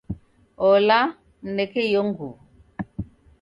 Ola, mneke iyo nguwo.